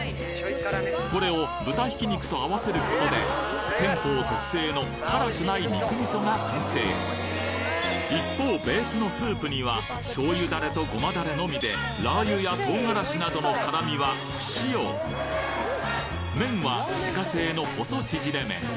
これを豚ひき肉と合わせることでテンホウ特製の辛くない肉味噌が完成一方ベースのスープには醤油ダレとごまダレのみでラー油や唐辛子などの辛みは不使用麺は自家製の細ちぢれ麺